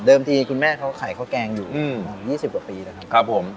เดิมทีคุณแม่เขาขายข้าวแกงอยู่อืมอ๋อยี่สิบกว่าปีแล้วครับครับผม